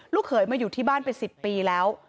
เขยมาอยู่ที่บ้านเป็น๑๐ปีแล้ว